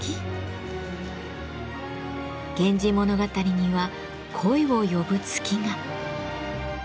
源氏物語には恋を呼ぶ月が。